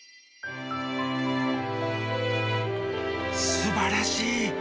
すばらしい。